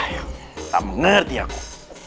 yang tak mengerti aku